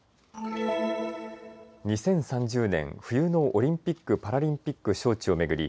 ２０３０年、冬のオリンピック・パラリンピック招致を巡り